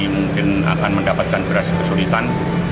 mungkin akan mendapatkan beras kesulitan